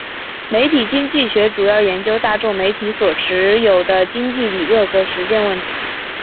媒体经济学主要研究大众媒体所特有的经济理论和实践问题。